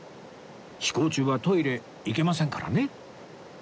飛行中はトイレ行けませんからね